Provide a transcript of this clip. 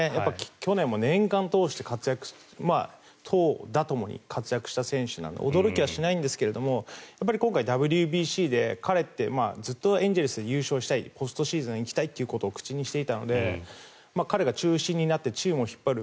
去年も年間を通して活躍して投打ともに活躍した選手なので驚きはしないんですが今回、ＷＢＣで彼ってずっとエンゼルスで優勝したいポストシーズンに行きたいと口にしていたので彼が中心になってチームを引っ張る。